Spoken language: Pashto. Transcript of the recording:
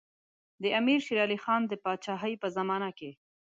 د امیر شېر علي خان د پاچاهۍ په زمانه کې.